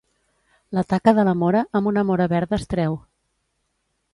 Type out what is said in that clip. La taca de la mora amb una mora verda es treu.